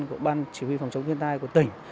của ban chỉ huy phòng chống thiên tai của tỉnh